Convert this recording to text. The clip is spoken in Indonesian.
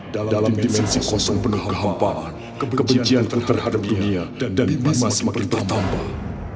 dalam dimensi kosong penuh kehampaan kebencianku terhadap dunia dan bimae semakin bertambah